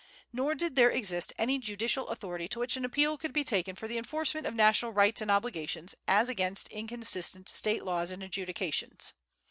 Nor did there exist any judicial authority to which an appeal could be taken for the enforcement of national rights and obligations as against inconsistent State laws and adjudications.